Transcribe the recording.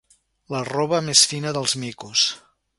La roba més fina dels micos.